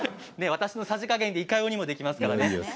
私のさじ加減でいかようにもできますね。